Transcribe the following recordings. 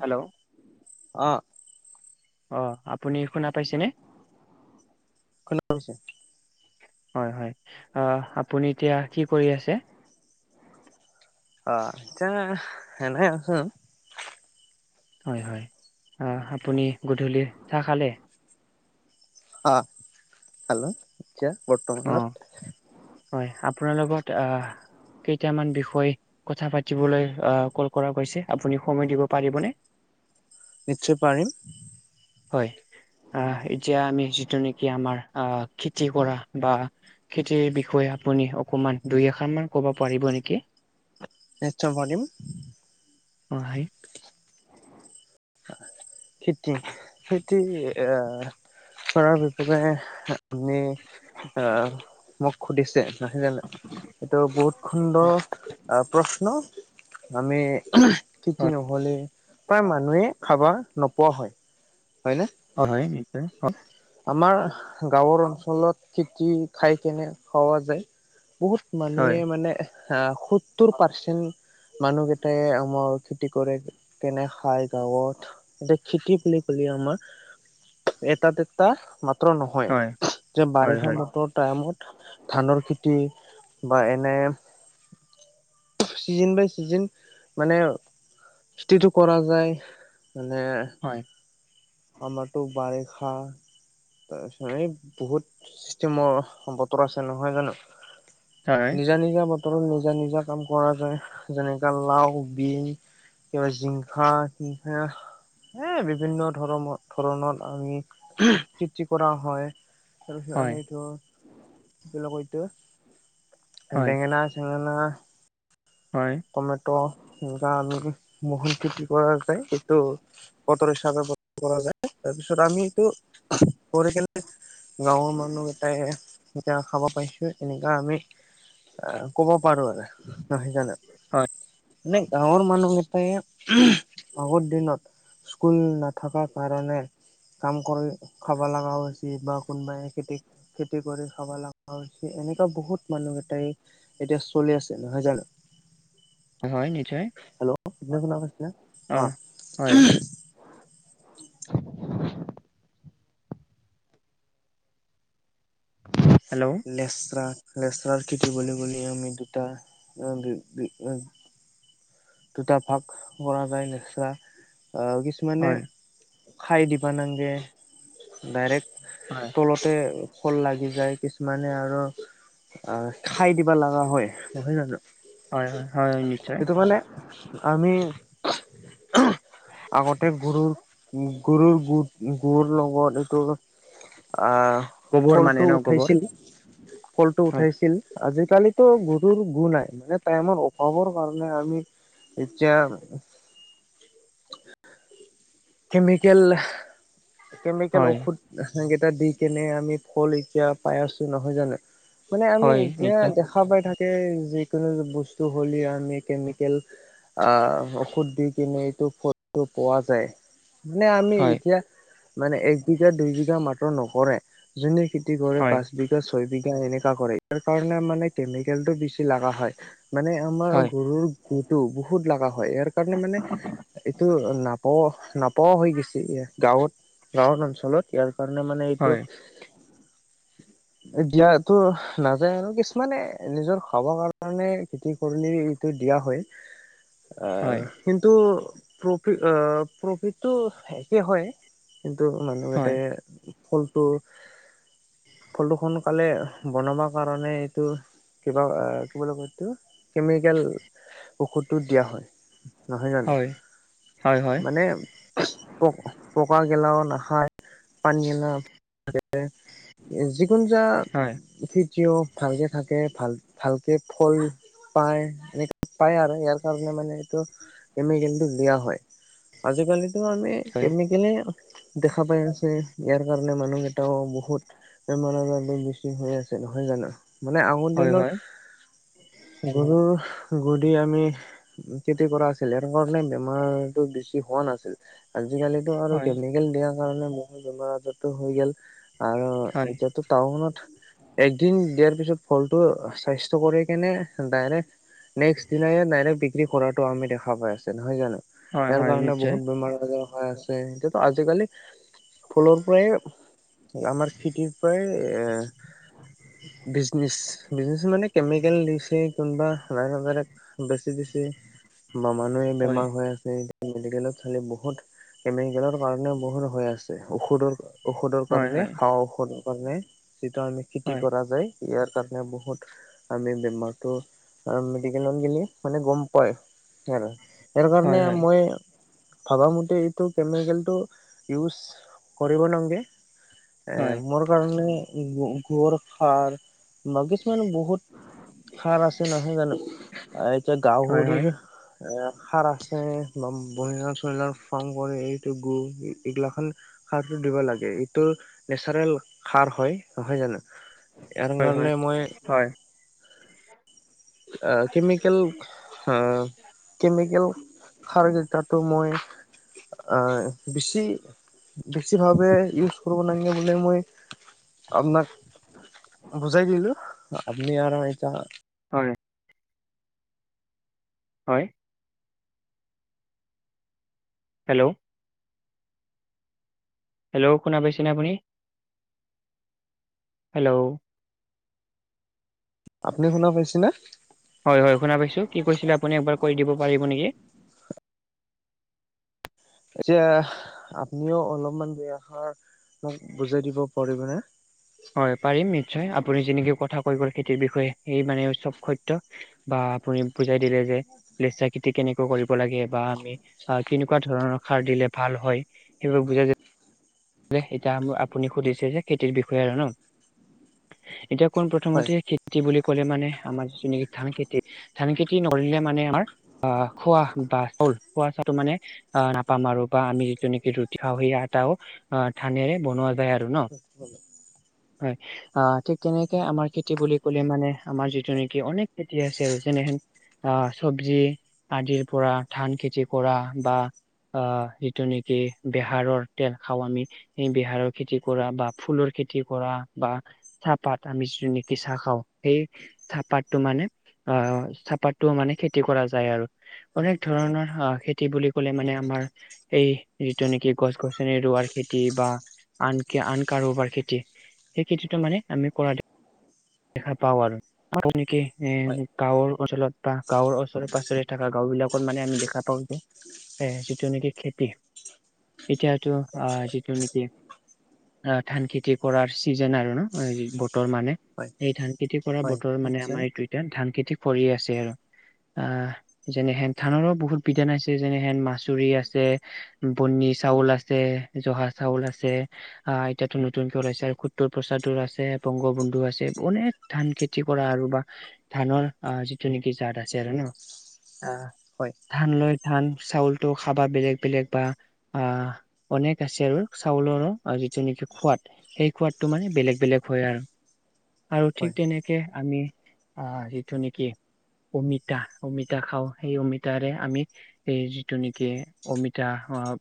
Hello. অ অ আপুনি শুনা পাইছেনে। [unintelligible] হয় হয় অ আপুনি এতিয়া কি কৰি আছে। অ তেনে এনে আছো। হয় হয় অ আপুনি গধূলি চাহ খালে। অ খালো তিয়া অ বৰ্তমানত। হয় আপোনাৰ লগত অ কেইটামান বিষয়। কথা পাতিবলৈ অ কল কৰা হৈছে আপুনি সময় দিব পাৰিবনে। নিশ্চয় পাৰিম। হয় আ এতিয়া আমি যিটো নেকি আমাৰ অ খেতি কৰা। বা খেতিৰ বিষয়ে আপুনি অকমান দুই এষাৰ মান ক'ব পাৰিব নেকি। [unintelligible] নিশ্চয় পাৰিম। অ হাই। খেতি খেতি আ। চৰাৰ বিপাগে আপুনি আ মোক সুধিছে। [inaudible] এইটো বহুত সুন্দৰ প্ৰ্ছ ন আমি খেতি হয় নহ'লে প্ৰায় মানুহে। খাব নোপোৱা হয় হয়নে। অ হয় নিশ্চয় হয়। আমাৰ গাঁৱৰ অঞ্চলত খেতি ঠাই খিনি হৰ যে। বহুত হয় মানুহে মানে হা সত্তৰ পাৰ্চেন্ট। মানুহ কেইটাই আমাৰ খেতি কৰে কেনে খায় গাঁৱত। [inaudible] আমাৰ এটাতে টা মাত্ৰ হয় নহয় যে হয় বাৰিষা হয় বতৰ টাইমত। ধানৰ খেতি বা এনে। চিজিন বাই চিজিন মানে স্তিটো কৰা যায় মানে হয়। আমাৰটো বাৰে খা তাৰেছ এইব বহুত চিষ্টেমৰ বতৰ আছে নহয় জানো? হয় নিজা নিজা বতৰত নিজা নিজা কাম কৰা যায়। যেনেকা লাও, বিন কিবা জিংখা, হিংসা এ বিভিন্নত ধৰম ধৰণত আমি কৃতি কৰা হয় তাৰপিছত হয় আমি এইটো বিলাক এটো হয় বেঙেনা চেঙেনা হয়। কমেত গা আমি মহন খেতি কৰা যায় সেটো বতৰ হিচাপে বত কৰা যায় তাৰপিছত আমি এইটো কৰি কেন গাঁৱৰ মানুহ এটাই এতিয়া খাবই পাইছোঁৱে এনেকুৱা আমি ক'ব পাৰোঁ আৰে নহয় জানো? হয়। মানে গাঁৱৰ মানুহকেইটাই আগৰ দিনত স্কুল নাথাকাৰ কাৰণে কাম কৰি খাব লগাও হৈছিল বা কোনোবাই খেতি খেতি কৰি খাব লগা হৈছে এনেকুৱা বহুত মানুহ গেটাই এতিয়া চলি আছে, নহয় জানো? হয় নিশ্চয়। হেল্ল' অ', হয়, [unintelligible] হেল্ল'? লেচৰা লেচৰাৰ খেতি বুলি বুলি আমি দুটা [unintelligible] দুটা ভাগ কৰা যায় লেচৰা কিছুমানে হয়, খাই দিবা নাংগে ডাইৰেক্ট। হয়। তলতে শল লাগি যায় কিছুমানে আৰ অ খাই দিবা লগা হয় নহয় জানো? হয় হয় হয় হয় নিশ্চয়। সেইটো মানে আমি আগতে গৰুৰ গৰুৰ গোট গৰুৰ লগত এইটো আহ গোবৰ মানে ফলটো ন গোবৰ? উঠাইছিল। ফলটো হয়, উঠাইছিল। আজিকালিত গৰুৰ গো নাই মানে টাইমৰ অভাৱৰ কাৰণে আমি এতিয়া কেমিকেল কেমিকেল হয়, ঔষধ ৰাসায়নিক কেইটা দি কেনে আমি ফল এতিয়া পাই আছো নহয় জানো? মানে আমি হয়, এতিয়া নিশ্চয়। দেখা পাই থাকে যিকোনো বস্তু হ'লে আমি কেমিকেল আহ ঔষধ দি কিনে এইটো ফলটো পোৱা যায়। মানে আমি হয়, এতিয়া মানে এক বিঘা দুই বিঘা মাটৰ নকৰে। যোনে খেতি কৰে হয়, পাঁচ বিঘা ছয় বিঘা এনেকা কৰে ইয়াৰ কাৰণে মানে কেমিকেলটো বেছি লগা হয়। মানে আমাৰ হয়। গৰুৰ গোট টো এইটো বহুত লগা হয় ইয়াৰ কাৰণে মানে এইটো নাপাঅ নাপাও হৈ গৈছে গাঁৱত গাঁওৰ অঞ্চলত ইয়াৰ কাৰণে মানে এইটো হয়, [inaudible] দিয়াটো নাযায় আৰু, কিছুমানে নিজৰ খাব কাৰণে খেতি কৰিলে ইটো দিয়া হয়। [inaudible] আহ হয়, কিন্তু, প্ৰফি অ প্ৰফিটটো একে হয়। কিন্তু মানুহ হয়, এটাই ফলটো ফলটো সোনকালে বনাব কাৰণে এইটো কিবা কি বুলি কয় এটো কেমিকেল ঔষধটো দিয়া হয়। নহয় জানো? হয়, হয়, হয়, মানে, প পকা গেলাও নাখায়। পানী গেলা যিকোনো যা হয়, খেতিও ভালকে থাকে, ভাল ভালকে ফল পায়। এনেকে পায় আৰু ইয়াৰ কাৰণে মানে এইটো কেমিকেলটো দিয়া হয়। আজিকালি আমি হয়, কেমিকেলে দেখা পাই আছে, ইয়াৰ কাৰণে মানুহ এটাও বহুত বেমাৰ আজাৰটো বেছি হৈ আছে নহয় জানো? মানে আগৰ হয়, দিনৰ, হয়, গৰুৰ গু দি আমি খেতি কৰা আছিলে, সেটো কাৰণে বেমাৰতটো বেছি হোৱা নাছিল। আজিকালিতো আৰু হয়, কেমিকেল দিয়াৰ কাৰণে বহুত বেমাৰ আজাৰটো হৈ গল। আৰু হয়, এতিয়াতো টাউনত একদিন দিয়াৰ পিছত- ফলটো স্বাস্থ্য কৰি কেনে, ডাইৰেক্ট নেক্সট দিনাই ডাইৰেক্ট- বিক্ৰী কৰা আমি দেখা পাই আছো নহয় জানো? হয়, ইয়াৰ হয়, কাৰণে নিশ্চয়। বহুত বেমাৰ- হৈ আছে এতিয়াটো আজিকালি ফলৰ পৰাই, আমাৰ খেতিৰ পৰাই এ, বিজনেচ, বিজনেচ মানে কেমিকেল দিছে। কোনবা ডাইৰেক্ট ডাইৰেক্ট বেছি দিছে। বা মানুহে হয়, বেমাৰ হৈ আছে। মেডিকেলত চালি বহুত কেমিকেলৰ কাৰণেও বহুত হৈ আছে। ঔষধৰ- ঔষধৰ হয়, কাৰণে, হয়, খোৱা ঔষধৰ কাৰণে, যিটো আমি খেতি হয়, কৰা যায়। ইয়াৰ কাৰণে বহুত আমি বেমাৰতটো মেডিকেলত গেলি মানে গম পাই আৰু। সেইটো কাৰণে হয়, হয়, হয়, মই ভাবামতে এইটো কেমিকেলটো ইউজ কৰিব নালগে। এহ মোৰ কাৰণে গুৱৰৰ সাৰ বা কিছুমান বহুত সাৰ আছে নহয় জানো। যে হয়, হয়, হয়, গাহৰিৰ এ সাৰ আছে বা বন লাৰ ফাৰ্ম কৰে এই গ এইগিলাখান [unintelligible] সাৰটো দিব লাগে। এইটো নেচাৰেল সাৰ হয় নহয় জানো। ইয়াৰ হয়, হয়, কাৰনে মই আহ কেমিকেল অ কেমিকেল সাৰ কেইটাতো মই আহ বেছি, বেছিভাৱে ইউজ কৰিব লাগে বোলে মই আপোনাক বুজাই দিলো, আপনি আৰু এতিয়া হয়। হয়। হেল্ল' হেল্ল শুনা পাইছেনে আপুনি? হেল্ল' আপুনি শুনা পাইছে নে? হয় হয়, শুনা পাইছোঁ। কি কৈছিলে আপুনি? এবাৰ কৈ দিব পাৰিব নেকি? এতিয়া আপুনিও অলপমান, দুই-আষাৰ মোক বুজাই দিব পাৰিবনে? হয়, পাৰিম নিশ্চয়। আপুনি যেনেকে কথা কৈ গল খেতিৰ বিষয়ে, সেই মানে চব সত্য। বা আপুনি বুজাই দিলে যে লেচা-খেতি কেনেকৈ কৰিব লাগে, বা আমি কেনেকুৱা ধৰণৰ সাৰ দিলে ভাল হয়। সেইবোৰ বুজা যায়। [unintelligible] এতিয়া আপুনি সুধিছে যে খেতিৰ বিষয়ে আৰু ন? এতিয়া পোন প্ৰথমতে খেতি বুলি ক'লে মানে আমাৰ যিটো নেকি, ধান খেতি। ধান খেতি নকৰিলে মানে, আমাৰ আহ খোৱা বা চাউল খোৱা চাউলটো মানে আহ নাপাম আৰু, বা আমি যিটো নেকি ৰুটি খাওঁ, সেই আটাও অঁ, ধানেৰে বনোৱা যায় আৰু ন? হয় হয়। আহ, ঠিক তেনেকে আমাৰ খেতি বুলি কলে মানে আমাৰ যিটো নেকি, অনেক খেতি আছে আৰু, যেনেহেন আহ, চব্জি আদিৰ পৰা ধান খেতি কৰা। বা অ', যিটো নেকি বেহাৰৰ তেল খাওঁ আমি। এই, বিহাৰৰ খেতি কৰা বা ফুলৰ খেতি কৰা বা চাহপাত আমি যি নেকি চাহ খাওঁ। সেই চাহপাতটো মানে, অ', চাহপাতটোও মানে খেতি কৰা যায় আৰু। অনেক ধৰণৰ আহ, খেতি বুলি কলে মানে আমাৰ এই যিটো নেকি গছ-গছনি ৰোৱাৰ খেতি বা আন আন কাৰোবাৰ খেতি, সেই খেতিটো মানে আমি কৰা যা দেখা পাওঁ আৰু। [inaudible] এ হয় গাঁৱৰ অঞ্চলত বা গাঁৱৰ ওচৰে-পাছৰে থকা গাওঁ বিলাকত মানে আমি দেখা এ, যিটো নেকি খেতি এতিয়াতো অ' যিটো নেকি অ ধান-খেতি কৰাৰ চিজন আৰু ন? বতৰ মানে। হয় এই ধান খেতি কৰা হয় বতৰ মানে নিশ্চয় আমাৰ এইটো এতিয়া ধান খেতি কৰিয়ে আছে আৰু। আহ, যেনেহেন ধানৰো বহুত [unintelligible] যেনেহেন-মাচুৰি আছে, বনি চাউল আছে, জহা চাউল আছে, আহ এতিয়াতো নতুনকে ওলাইছে আৰু সুত্ৰৰ প্ৰসাদৰ আছে, বংগ বন্ধু আছে, অনেক ধান-খেতি কৰা আৰু বা ধানৰ আহ যিটো নেকি জাত আছে আৰু ন? আহ হয় ধান লৈ ধান চাউলটো খাবা, বেলেগ বেলেগ বা আহ। অনেক আছে আৰু, চাউলৰো আৰু যিটো নেকি সোৱাদ সেই সোৱাদটো মানে বেলেগ বেলেগ হয় আৰু, আৰু হয় ঠিক তেনে কে আমি অ' যিটো নেকি অমিতা-অমিতা খাওঁ, সেই অমিতাৰে আমি এই যিটো নেকি, অমিতা আহ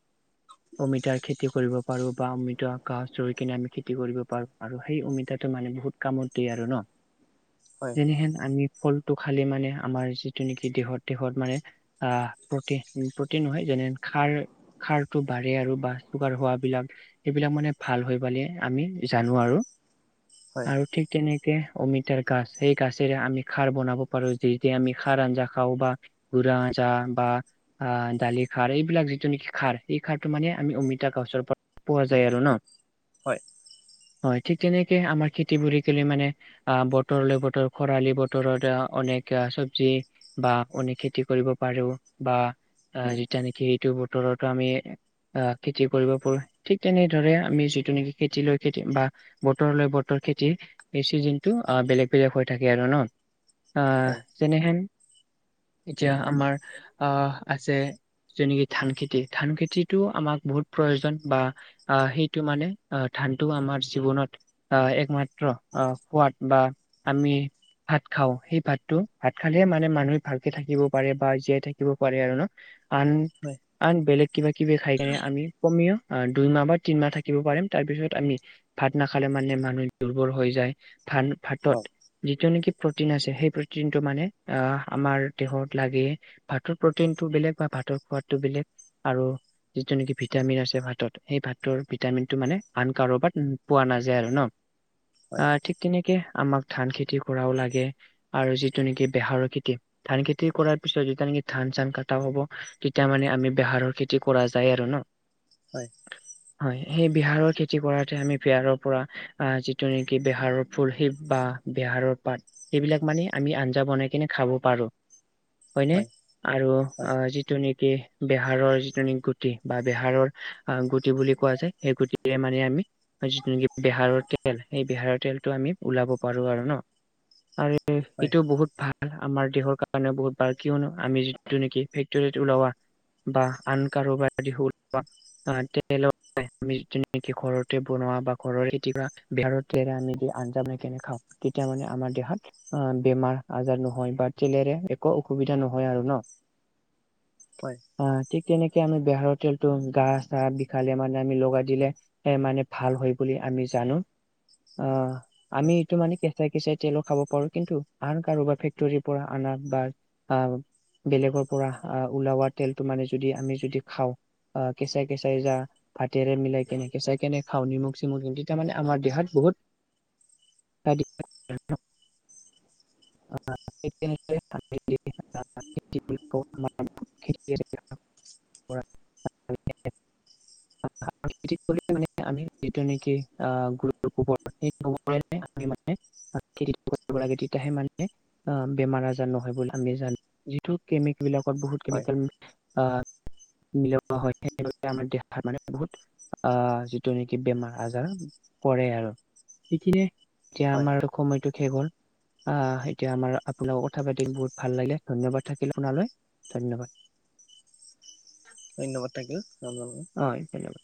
অমিতাৰ খেতি কৰিব পাৰোঁ বা অমিতা গাছ ৰুই কিনে আমি খেতি কৰিব পাৰোঁ আৰু। সেই অমিতাটো মানে বহুত কামত দিয়ে আৰু ন? হয় যেনেহেন আমি ফলটো খালে মানে আমাৰ যিটো নেকি, দেহত দেহত মানে আহ, প্ৰতি প্ৰতিন নহয় যেনে, খাৰ-খাৰটো বাঢ়ে আৰু বা, চোগাৰ হোৱা বিলাক সেইবিলাক মানে ভাল হৈ পালে আমি জানো আৰু। [inaudible] হয় আৰু ঠিক তেনেকে অমিতাৰ গাছ সেই গাছেৰে আমি খাৰ বনাব পাৰো, যি যি আমি খাৰ আঞ্জা খাওঁ বা [unintelligible] আঞ্জা বা, আহ দালি-খাৰ এইবিলাক যিটো নেকি খাৰ এই সাৰটো মানে আমি অমিতা গাছৰ পৰা পোৱা যায় আৰু ন? হয় হয় ঠিক তেনেকে আমাৰ খেতিবৰি কলে মানে আহ বতৰলৈ বতৰ খৰালি বতৰত অনেক চব্জি বা অনেক খেতি কৰিব পাৰো বা যেতিয়া নেকি এইটো বতৰতো আমি আহ খেতি কৰিব পাৰো, ঠিক তেনেদৰে আমি যিটো নেকি খেতি লৈ খেতি বা বতৰলৈ বতৰ খেতি এই চিজনটো অ বেলেগ বেলেগ হৈ থাকে আৰু ন? আহ হয় যেনেহেন এতিয়া আমাৰ আহ আছে যেনেকি ধান খেতি, ধান খেতি যিটো আমাক বহুত প্ৰয়োজন বা আহ সেইটো মানে আহ ধানটো আমাৰ জীৱনত অ একমাত্ৰ সোৱাদ বা আমি ভাত খাওঁ, সেই ভাতটো ভাত খালেহে মানে মানুহে ভালকে থাকিব পাৰে বা জীয়াই থাকিব পাৰে আৰু ন। আন হয় আন বেলেগ কিবা কিবি খাই কেনে আমি কমেও আ দুইমাহ বা তিনমাহ থাকিব পাৰিম, তাৰপিছত আমি ভাত নাখালে মানে মানুহে দুৰ্বল হৈ যায়, ধান অ ভাতত যিটো নেকি প্ৰটিন আছে সেই প্ৰটিনটো মানে আহ আমাৰ দেহত লাগে। ভাতৰ প্ৰটিনটো বেলেগ বা ভাতৰ সোৱাদটো বেলেগ আৰু যিটো নেকি ভিটামিন আছে ভাতত সেই ভাতৰ ভিটামিনটো মানে আন কাৰোবাত পোৱা নাযায় আৰু ন? হয় আহ ঠিক তেনেকে আমাক ধান খেতি কৰাও লাগে আৰু যিটো নেকি বেহাৰৰ খেতি ধান খেতি কৰাৰ পিছত যেতিয়া নেকি ধান চান কটা হ'ব তেতিয়া মানে আমি বেহাৰত খেতি কৰা যায় আৰু ন? হয়। [inaudible] হয় সেই বিহাৰৰ খেতি কৰাতে আমি বিহাৰৰ পৰা যিটো নেকি বিহাৰৰ ফুল শিৱ বা বেহাৰৰ পাত সেইবিলাক মানে আমি আঞ্জা বনাই কিনে খাব পাৰো। হয় নে? আৰু হয় অ যিটো নেকি বেহাৰৰ গুটি বা বেহাৰৰ গুটি বুলি কোৱা যায় সেই গুটিৰে মানে আমি যিটো নেকি বেহাৰৰ তেল সেই বেহাৰৰ তেলটো আমি ওলাব পাৰো আৰু ন? আৰু হয় এইটো বহুত ভাল আমাৰ দেহৰ কাৰণেও বহুত ভাল কিয়নো আমি যি যটো নেকি ফেক্টৰীত উলোৱা বা আন কাৰোবাৰ দি উলোৱা অ তেলৰ আমি যিটো নেকি ঘৰতে বনোৱা বা ঘৰৰে খেতি কৰা বিহাৰৰ তেল আমি আঞ্জা বনাই কেনে খাওঁ তেতিয়া মানে আমাৰ দেহত বেমাৰ আজাৰ নহয় বা তেলেৰে একো অসুবিধা নহয় আৰু ন? হয় অ ঠিক তেনেকে আমি বেহাৰৰ তেলটো গা চা বিষালে মানে আমি লগাই দিলে এ মানে ভাল হয় বুলি আমি জানো আহ আমি হয় এইটো মানে কেঁচাই কেঁচাই তেলো খাব পাৰো, কিন্তু আন কাৰোবাৰ ফেক্টৰীৰ পৰা আনা বা আহ বেলেগৰ পৰা আহ উলোৱা তেলটো মানে যদি আমি যদি খাওঁ অ কেচাই কেচাই যা ভাতেৰে মিলাই কেনে কেঁচাই কেনে খাওঁ নিমখ চিমখ সিমখ দি তেতিয়া মানে আমাৰ দেহত বহুত [unintelligible] [unintelligible] [unintelligible] খতি কৰিলে মানে আমি যিটো নেকি আহ গুৰু গোবৰ সেই গোবৰে আমি মানে খেতি কৰিব লাগে তেতিয়াহে মানে অ বেমাৰ আজাৰ নহয় বুলি আমি জানো, যিটো কেমিক বিলাকত বহুত হয় কেমিকেল আহ মিলোৱা হয় [unintelligible] আমাৰ দেহাত মানে বহুত আহ যিটো নেকি বেমাৰ আজাৰ কৰে আৰু। সেইখিনিয়ে, এতিয়া হয় আমাৰ সময়টো শেষ হ'ল। আহ এতিয়া আমাৰ আপোনাৰ লগত কথা পাতিম বহুত ভাল লাগিলে ধন্যবাদ থাকিল আপোনালৈ, ধন্যবাদ। ধন্যবাদ থাকিল আপোনালৈ। হয় ধন্যবাদ।